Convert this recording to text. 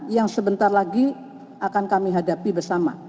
yang sebentar lagi akan kami hadapi bersama